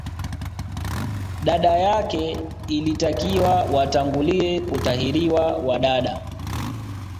Dada yake ilitakiwa watangulie kutahiriwa wa dada